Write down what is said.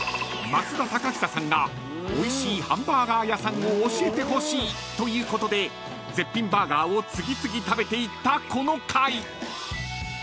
［増田貴久さんがおいしいハンバーガー屋さんを教えてほしいということで絶品バーガーを次々食べていったこの回］